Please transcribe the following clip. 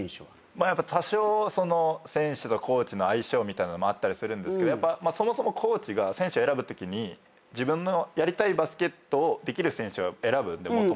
まあやっぱ多少選手とコーチの相性みたいなのもあったりするんですけどそもそもコーチが選手を選ぶときに自分のやりたいバスケットをできる選手を選ぶんでもともと。